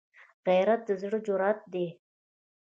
غیرت د زړه جرأت دی